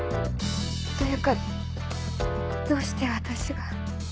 というかどうして私が。